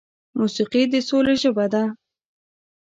موسیقي د سولې ژبه ده.